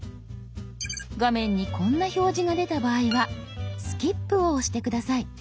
画面にこんな表示が出た場合は「スキップ」を押して下さい。